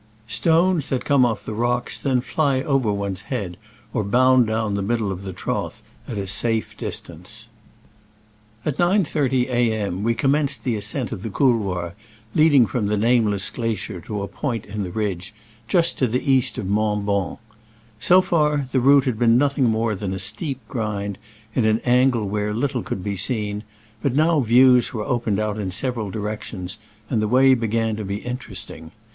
Stones that come off the rocks then ff y over one's head or bound down the middle of the trough at safe distance. Digitized by Google 94 SCRAMBLES AMONGST THE ALPS IN i86o '69. At 9.30 A. M. we commenced the ascent of the couloir leading from the nameless glacier ta~a point in the ridge, just to the east of Mont Bans. So far, the route had been nothing more than a steep grind in an angle where little could be seen, but now views opened out in several direc tions, and the way began to be interest ing.